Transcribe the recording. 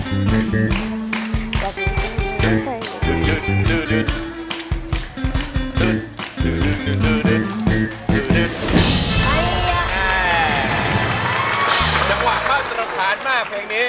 จังหวะข้าวจรภานมากเพลงนี้